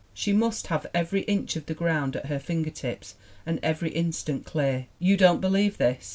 She must have every inch of the ground at her fingertips and every instant clear. You don't believe this?